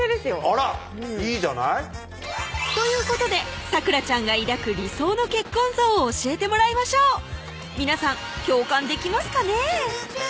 あらっいいじゃないということで咲楽ちゃんが抱く理想の結婚像を教えてもらいましょう皆さん共感できますかねぇ？